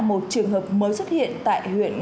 một trường hợp mới xuất hiện tại huyện